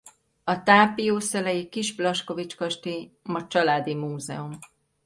A tápiószelei kis Blaskovich-kastély ma családi múzeum.